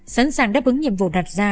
sẵn sàng đáp ứng nhiệm vụ đặt ra